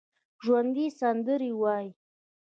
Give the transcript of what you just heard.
ژوندي سندرې وايي